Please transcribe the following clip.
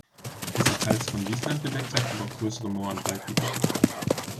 Es ist teils von Wiesland bedeckt, zeigt aber auch größere Moor- und Waldgebiete.